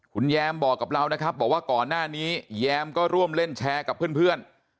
คุณแยมบอกกับเรานะครับบอกว่าก่อนหน้านี้แยมก็ร่วมเล่นแชร์กับเพื่อน